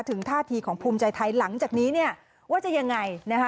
ท่าทีของภูมิใจไทยหลังจากนี้เนี่ยว่าจะยังไงนะคะ